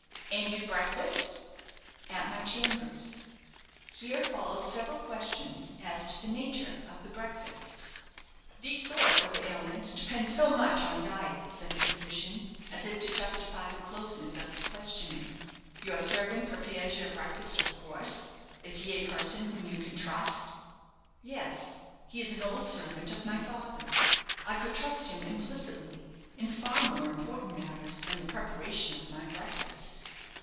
"And you breakfast?" "At my chambers." Here followed several questions as to the nature of the breakfast. "These sort of ailments depend so much on diet," said the physician, as if to justify the closeness of his questioning. "Your servant prepares your breakfast, of course is he a person whom you can trust?" "Yes; he is an old servant of my father's. I could trust him implicitly in far more important matters than the preparation of my breakfast."